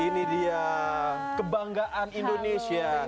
ini dia kebanggaan indonesia